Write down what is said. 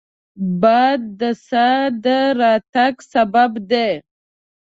باد د سا د راتګ سبب دی